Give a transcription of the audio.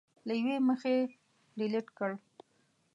له یوې مخې ډیلېټ کړل